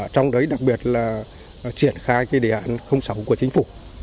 trong đấy đặc biệt là triển khai đề hạn sáu của chính phủ